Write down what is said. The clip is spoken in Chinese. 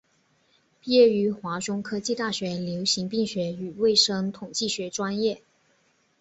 毕业于华中科技大学流行病学与卫生统计学专业。